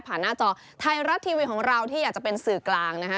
หน้าจอไทยรัฐทีวีของเราที่อยากจะเป็นสื่อกลางนะฮะ